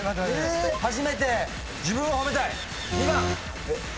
初めて自分を褒めたい。